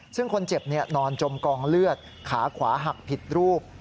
ซึ่งคนเจ็บนอนจมกองเลือดขาขวาหักผิดรูป